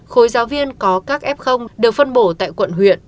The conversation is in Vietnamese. khối giáo viên có các f được phân bổ tại quận huyện